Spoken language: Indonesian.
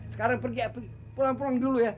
sekarang pergi pulang pulang dulu ya